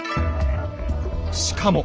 しかも。